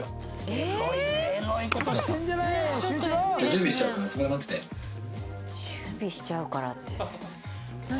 準備しちゃうからって。